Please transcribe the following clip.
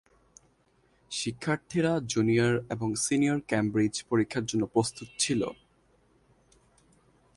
শিক্ষার্থীরা জুনিয়র এবং senior Cambridge পরীক্ষার জন্য প্রস্তুত ছিল।